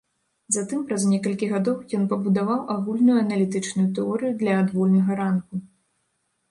Затым, праз некалькі гадоў, ён пабудаваў агульную аналітычную тэорыю для адвольнага рангу.